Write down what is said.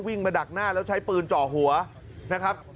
วิ่งมาดักหน้าแล้วใช้ปืนเจาะหัวนะครับ